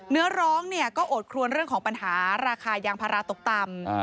เนื้อร้องเนี่ยก็โอดครวนเรื่องของปัญหาราคายางพาราตกต่ำ